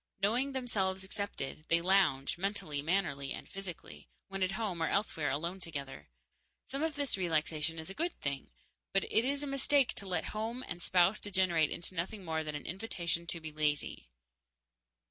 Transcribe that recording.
Knowing themselves accepted, they lounge mentally, mannerly, and physically when at home or elsewhere alone together. Some of this relaxation is a good thing, but it is a mistake to let home and spouse degenerate into nothing more than an invitation to be lazy.